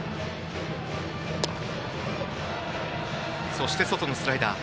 そして外のスライダー。